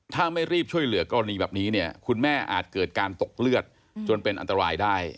ถ้าไม่รีบช่วยเหลือกรณีแบบนี้เนี่ยคุณแม่อาจเกิดการตกเลือดจนเป็นอันตรายได้